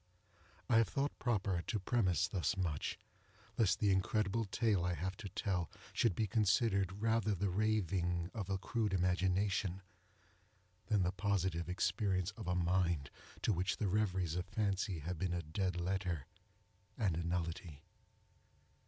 I have thought proper to premise thus much, lest the incredible tale I have to tell should be considered rather the raving of a crude imagination, than the positive experience of a mind to which the reveries of fancy have been a dead letter and a nullity.